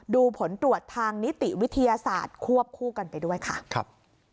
ดูผลตรวจทางนิติวิทยาศาสตร์ควบคู่กันไปด้วยค่ะครับ